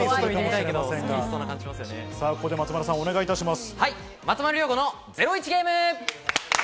ここで松丸さん、お願いいたします。